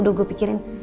udah gue pikirin